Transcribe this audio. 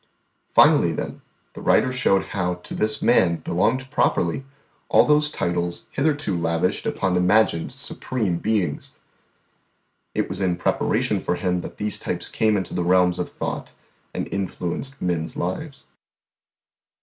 Finally, then, the writer showed how to this Man belonged properly all those titles hitherto lavished upon imagined Supreme Beings. It was in preparation for Him that these types came into the realms of thought and influenced men's lives.